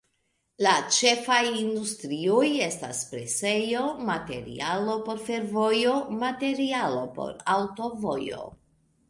La ĉefaj industrioj estas presejo, materialo por fervojo, materialo por aŭtovojo.